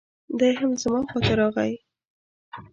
دی هم زما خواته راغی.